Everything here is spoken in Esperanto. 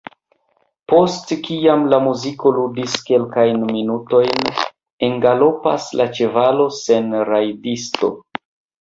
Post kiam la muziko ludis kelkajn minutojn, engalopas la ĉevalo sen rajdisto.